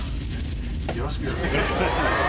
よろしくお願いします